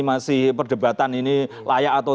masih perdebatan ini layak atau